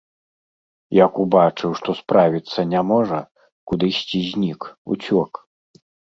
Як убачыў, што справіцца не можа, кудысьці знік, уцёк.